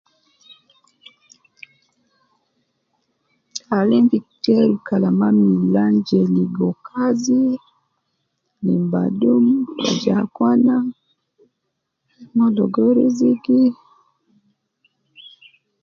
Taalim gi geeru kalama milan je ligo kazi, lim badum, aju akwana ,mon logo riziki